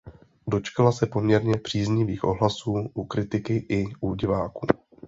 Dočkala se poměrně příznivých ohlasů u kritiky i u diváků.